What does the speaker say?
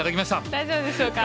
大丈夫でしょうか？